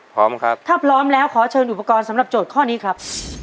พร้อมครับถ้าพร้อมแล้วขอเชิญอุปกรณ์สำหรับโจทย์ข้อนี้ครับ